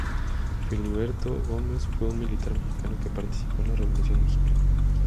Filiberto Gómez fue un militar mexicano que participó en la Revolución mexicana.